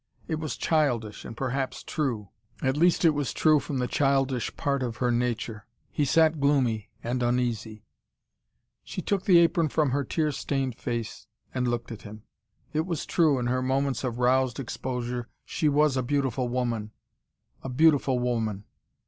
It was childish, and perhaps true. At least it was true from the childish part of her nature. He sat gloomy and uneasy. She took the apron from her tear stained face, and looked at him. It was true, in her moments of roused exposure she was a beautiful woman a beautiful woman.